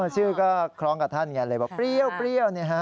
ชื่อก็คล้องกับท่านอย่างนี้เลยเปรี้ยวเปรี้ยว